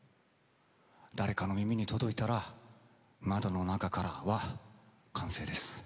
誰かの耳に届いたら「窓の中から」は完成です。